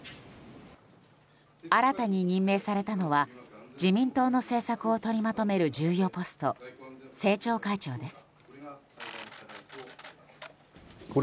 新たに任命されたのは自民党の政策を取りまとめる重要ポスト、政調会長です。